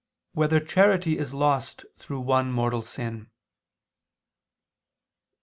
12] Whether Charity Is Lost Through One Mortal Sin?